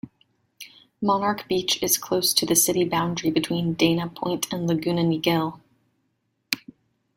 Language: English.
Monarch Beach is close to the city-boundary between Dana Point and Laguna Niguel.